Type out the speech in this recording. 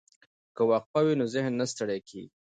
که وقفه وي نو ذهن نه ستړی کیږي.